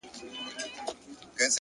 ښه نوم په کلونو جوړیږي’